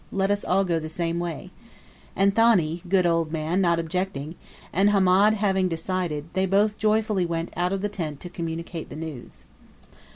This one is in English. let us all go the same way," and Thani= good old man not objecting, and Hamed having decided, they both joyfully went out of the tent to communicate the news.